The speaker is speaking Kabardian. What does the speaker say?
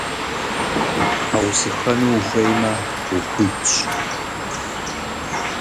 Утхьэусыхэну ухуеймэ, ухуитщ.